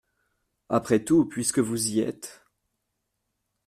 Après tout, puisque vous y êtes !